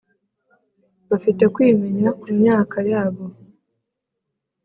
bafite kwimenya ku myaka yabo.